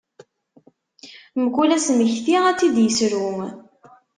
Mkul asemekti ad tt-id yesru.